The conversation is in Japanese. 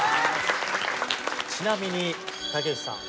ちなみに竹内さん。